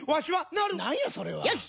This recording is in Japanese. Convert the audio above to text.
なんやそれはよし！